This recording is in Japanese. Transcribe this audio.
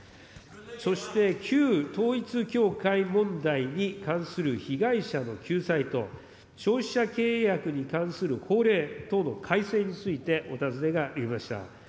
そして旧統一教会問題に関する被害者の救済と、消費者契約に関する法令等の改正について、お尋ねがありました。